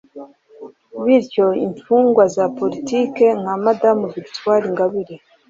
Bityo imfungwa za politique nka Madame Victoire Ingabire